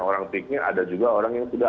orang peaknya ada juga orang yang sudah